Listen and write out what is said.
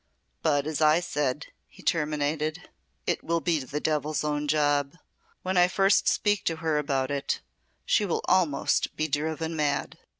"But as I said," he terminated, "it will be the devil's own job. When I first speak to her about it she will almost be driven mad."